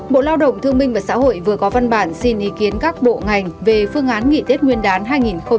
bộ lao động thương minh và xã hội vừa có văn bản xin ý kiến các bộ ngành về phương án nghỉ tết nguyên đán hai nghìn hai mươi